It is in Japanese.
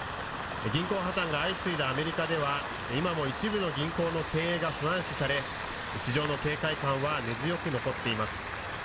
銀行破綻が相次いだアメリカでは今も一部の銀行の経営が不安視され市場の警戒感は根強く残っています。